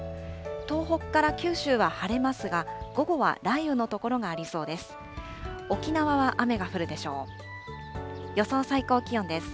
東北から九州は晴れますが、午後は雷雨の所がありそうです。